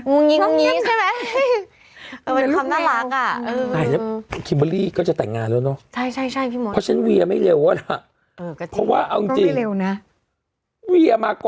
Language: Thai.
งงินใช่ไหม